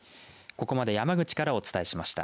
ここまで山口からお伝えしました。